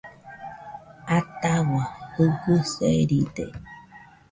Atahua Jɨgɨ seride